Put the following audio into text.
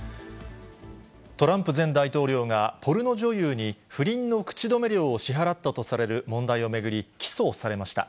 トランプ前大統領が、ポルノ女優に不倫の口止め料を支払ったとされる問題を巡り、起訴されました。